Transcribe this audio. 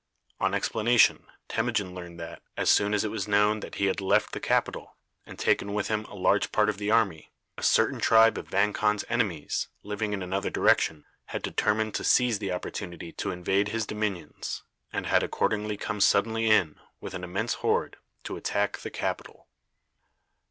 On explanation, Temujin learned that, as soon as it was known that he had left the capital, and taken with him a large part of the army, a certain tribe of Vang Khan's enemies, living in another direction, had determined to seize the opportunity to invade his dominions, and had accordingly come suddenly in, with an immense horde, to attack the capital.